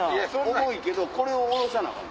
重いけどこれを下ろさなアカン。